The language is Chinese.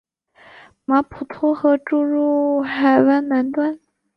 马普托河注入海湾南端。